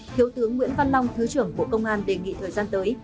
thiếu tướng nguyễn văn long thứ trưởng bộ công an đề nghị thời gian tới